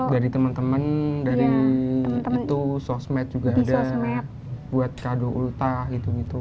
dari teman teman sosmed juga ada buat kado ultah gitu gitu